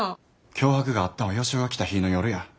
脅迫があったんはヨシヲが来た日の夜や。